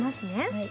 はい。